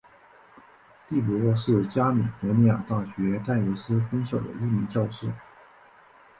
第伯是加利福尼亚大学戴维斯分校的一名教师。